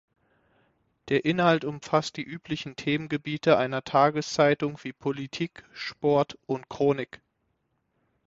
Der Inhalt umfasst die üblichen Themengebiete einer Tageszeitung wie Politik, Sport und Chronik.